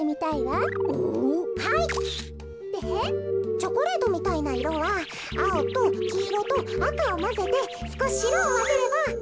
チョコレートみたいないろはあおときいろとあかをまぜてすこししろをまぜれば。